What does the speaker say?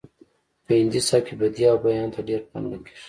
په هندي سبک کې بدیع او بیان ته ډیر پام نه کیږي